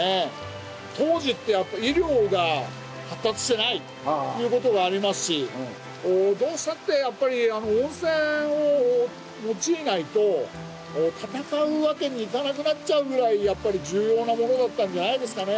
当時ってやっぱり医療が発達してないということがありますしどうしたってやっぱり温泉を用いないと戦うわけにいかなくなっちゃうぐらいやっぱり重要なものだったんじゃないですかね。